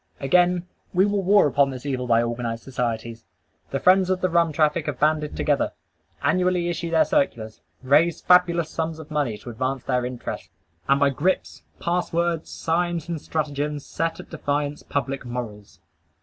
Again, we will war upon this evil by organized societies. The friends of the rum traffic have banded together; annually issue their circulars; raise fabulous sums of money to advance their interests; and by grips, pass words, signs, and stratagems set at defiance public morals.